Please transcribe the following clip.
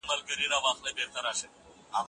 ایا په انګلستان کي هم دغه علمي ستونزي سته؟